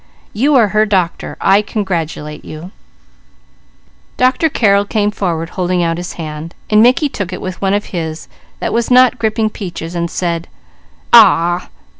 You are her doctor. I congratulate you!" Dr. Carrel came forward, holding out his hand, and Mickey took it with the one of his that was not gripping Peaches and said, "Aw a ah!"